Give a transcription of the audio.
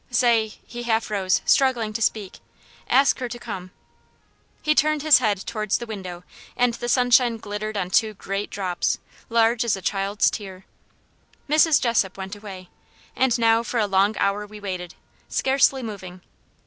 "Say" he half rose, struggling to speak "ask her to come." He turned his head towards the window, and the sunshine glittered on two great drops, large as a child's tear. Mrs. Jessop went away. And now for a long hour we waited scarcely moving.